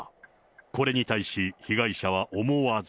これに対し被害者は思わず。